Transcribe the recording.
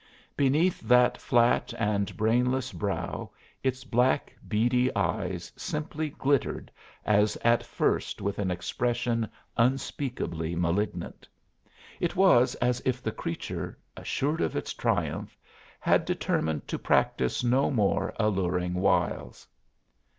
Beneath that flat and brainless brow its black, beady eyes simply glittered as at first with an expression unspeakably malignant. It was as if the creature, assured of its triumph, had determined to practise no more alluring wiles.